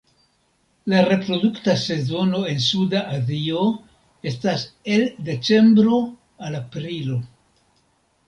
La reprodukta sezono en Suda Azio estas el decembro al aprilo.